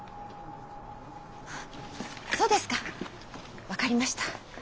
そうですか分かりました。